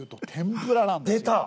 出た！